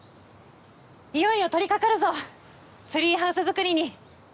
いよいよ取りかかるぞツリーハウス作りに！